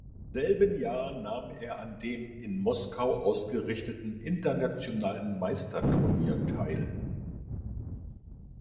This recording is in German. Im selben Jahr nahm er an dem in Moskau ausgerichteten Internationalen Meisterturnier teil.